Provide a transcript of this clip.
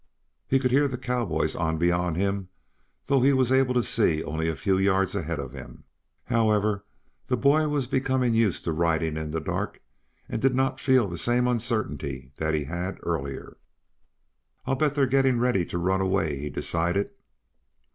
He could hear the cowboys on beyond him though he was able to see only a few yards ahead of him. However, the boy was becoming used to riding in the dark and did not feel the same uncertainty that he had earlier. "I'll bet they are getting ready to run away," he decided.